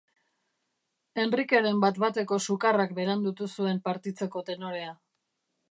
Henrikeren bat-bateko sukarrak berandutu zuen partitzeko tenorea.